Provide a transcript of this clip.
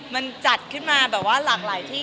มันจัดขึ้นมาหลากหลายที่